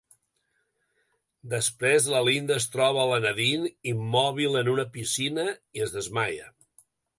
Després, la Linda es troba la Nadine immòbil en una piscina i es desmaia.